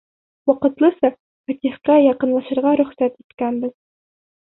Ваҡытлыса Фәтихкә яҡынлашырға рөхсәт иткәнбеҙ.